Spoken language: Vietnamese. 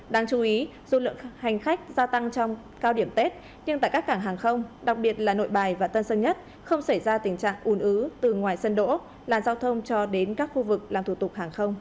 đáng chú ý dù lượng hành khách gia tăng trong cao điểm tết nhưng tại các cảng hàng không đặc biệt là nội bài và tân sân nhất không xảy ra tình trạng ủn ứ từ ngoài sân đỗ làn giao thông cho đến các khu vực làm thủ tục hàng không